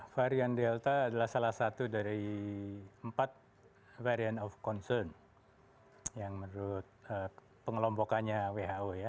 varian delta adalah salah satu dari empat variant of concern yang menurut pengelompokannya who ya